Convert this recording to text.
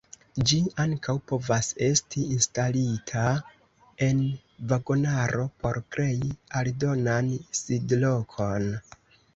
Ĝi ankaŭ povas esti instalita en vagonaro por krei aldonan sidlokon.